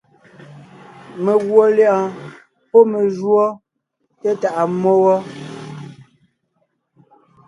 Meguɔ lyɛ̌ʼɔɔn pɔ́ me júɔ té tàʼa mmó wɔ.